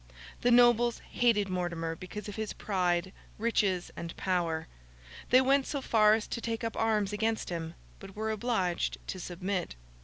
The nobles hated Mortimer because of his pride, riches, and power. They went so far as to take up arms against him; but were obliged to submit.